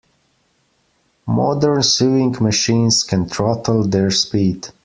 Modern sewing machines can throttle their speed.